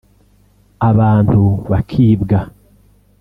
abantu bakibwa